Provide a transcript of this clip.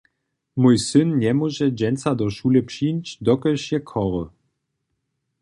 Mój syn njemóže dźensa do šule přińć, dokelž je chory.